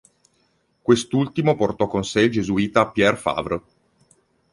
Quest'ultimo portò con sé il gesuita Pierre Favre.